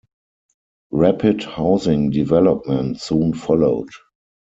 Rapid housing development soon followed.